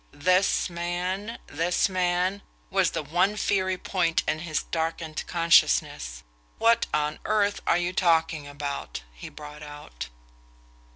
"THIS man...THIS man..." was the one fiery point in his darkened consciousness.... "What on earth are you talking about?" he brought out.